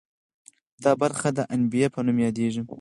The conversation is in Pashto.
دا برخه د عنبیې په نوم یادیږي.